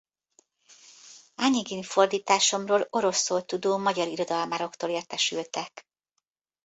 Anyégin-fordításomról oroszul tudó magyar irodalmároktól értesültek.